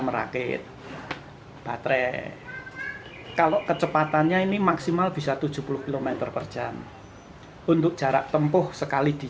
merakit baterai kalau kecepatannya ini maksimal bisa tujuh puluh km per jam untuk jarak tempuh sekali di